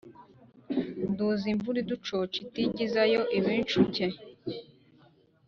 nduzi imvura iducoca itigizayo ab’incuke!